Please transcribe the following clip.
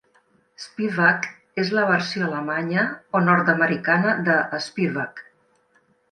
Spivack és la versió alemanya o nord-americana de Spivak.